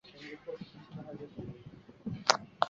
立法权由政府和国会所有。